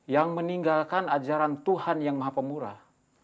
yang meninggalkan ajaran tuhan yang maha pemurah